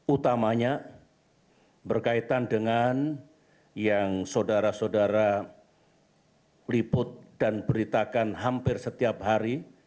utamanya berkaitan dengan yang saudara saudara liput dan beritakan hampir setiap hari